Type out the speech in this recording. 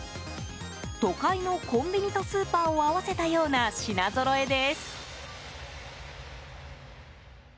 都会のコンビニとスーパーを合わせたような品ぞろえです。